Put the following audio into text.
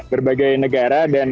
berbagai negara dan